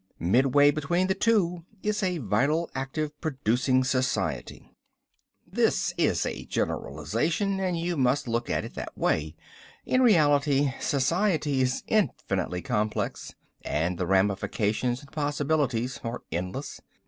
Midway between the two is a vital, active, producing society. "This is a generalization and you must look at it that way. In reality society is infinitely complex, and the ramifications and possibilities are endless.